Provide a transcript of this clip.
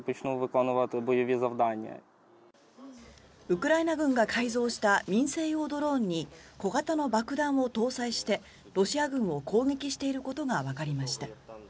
ウクライナ軍が改造した民生用ドローンに小型の爆弾を搭載してロシア軍を攻撃していることがわかりました。